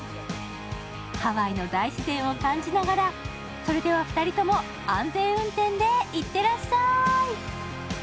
ハワイの大自然を感じながら、それでは２人とも、安全運転でいってらっしゃーい！